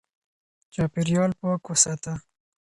چاپېريال پاک وساته